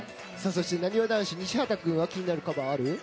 なにわ男子・西畑君は気になるカバーある？